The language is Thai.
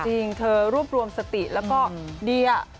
จริงเธอรวบรวมสติแล้วก็เดีย